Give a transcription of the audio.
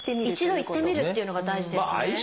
一度行ってみるというのが大事ですね。